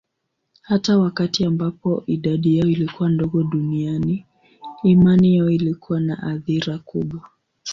Hata wakati ambapo idadi yao ilikuwa ndogo duniani, imani yao ilikuwa na athira kubwa.